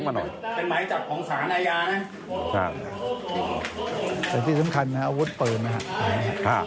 แต่ที่สำคัญนะครับอาวุธเปินนะฮะ